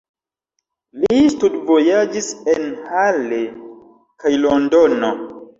Li studvojaĝis en Halle kaj Londono.